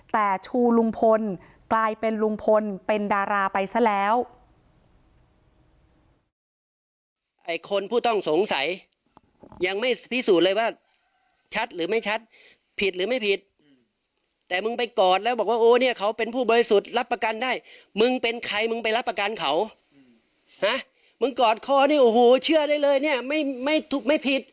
แต่ชูลุงพลกลายเป็นลุงพลเป็นดาราไปซะแล้ว